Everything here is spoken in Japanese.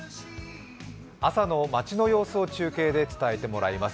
朝の街の様子を中継で伝えてもらいます。